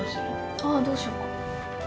ああどうしようか。